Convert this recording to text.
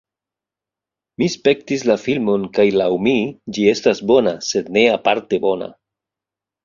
Mi spektis la filmon kaj laŭ mi, ĝi estas bona sed ne aparte bona